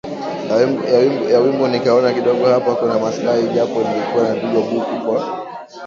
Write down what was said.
ya wimbo nikaona kidogo hapa kuna maslahi japo nilikuwa napigwa buku kwa